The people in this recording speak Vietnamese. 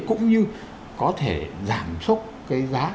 cũng như có thể giảm sốc cái giá